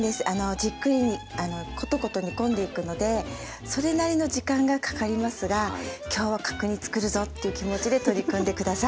じっくりコトコト煮込んでいくのでそれなりの時間がかかりますが今日は角煮作るぞっていう気持ちで取り組んで下さい。